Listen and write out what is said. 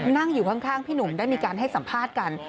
นั่งอยู่ข้างพี่หนุ่มได้มีการให้สัมภาษณ์กัน